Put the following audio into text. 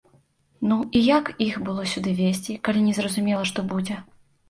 Ну і як іх было сюды везці, калі не зразумела, што будзе?